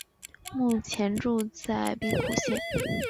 目前住在兵库县。